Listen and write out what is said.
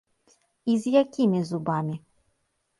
І з якімі зубамі.